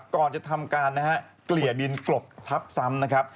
ก่อนจะทำการเกลี่ยดินกรบทับซ้ำ